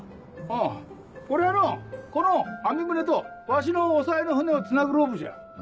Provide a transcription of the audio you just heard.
あぁこりゃあのうこの網船とわしの抑えの船をつなぐロープじゃ。